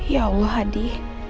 ya allah adi